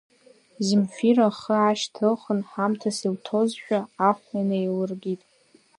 Земфира ахы аашьҭылхын, ҳамҭас илҭозшәа, ахә инеилыркит.